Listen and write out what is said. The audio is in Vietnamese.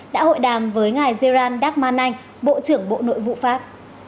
đã hội đàm với ngài gerard dagman anh bộ trưởng bộ nội vụ pháp